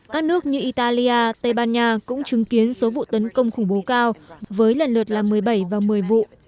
các nước như italia tây ban nha cũng chứng kiến số vụ tấn công khủng bố cao với lần lượt là một mươi bảy và một mươi vụ